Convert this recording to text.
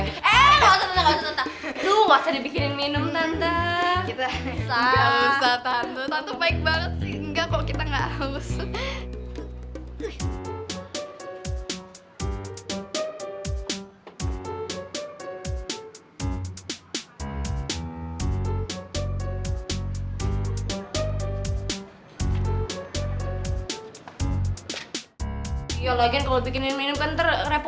eh nggak usah tante nggak usah tante nggak usah tante